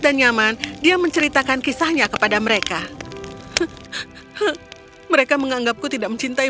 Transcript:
dan nyaman dia menceritakan kisahnya kepada mereka mereka menganggapku tidak mencintai